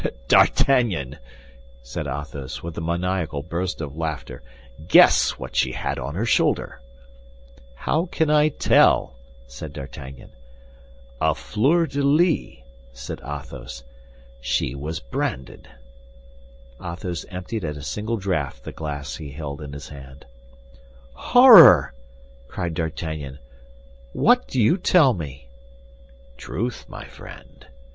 D'Artagnan," said Athos, with a maniacal burst of laughter, "guess what she had on her shoulder." "How can I tell?" said D'Artagnan. "A fleur de lis," said Athos. "She was branded." Athos emptied at a single draught the glass he held in his hand. "Horror!" cried D'Artagnan. "What do you tell me?" "Truth, my friend.